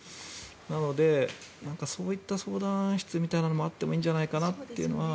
なので、そういった相談室みたいなのもあっていいんじゃないかなと。